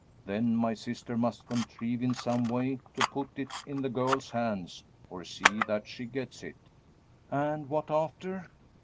Then my sister must contrive, in some way, to put it in the girl's hands, or see that she gets it." "And what after?"